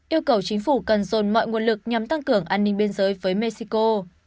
yêu cầu chính phủ cần dồn mọi nguồn lực nhằm tăng cường an ninh biên giới với mexico